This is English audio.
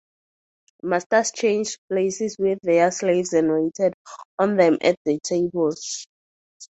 Masters changed places with their slaves and waited on them at the table.